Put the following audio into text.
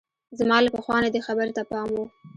زما له پخوا نه دې خبرې ته پام وو.